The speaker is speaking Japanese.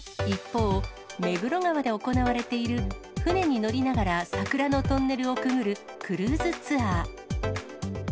一方、目黒川で行われている船に乗りながら桜のトンネルをくぐるクルーズツアー。